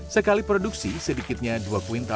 sekali produksi sedikitnya dua kuintal